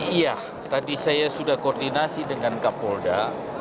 iya tadi saya sudah koordinasi dengan kapolda